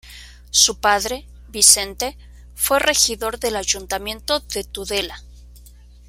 Su padre, Vicente, fue Regidor del Ayuntamiento de Tudela.